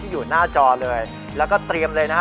อยู่หน้าจอเลยแล้วก็เตรียมเลยนะฮะ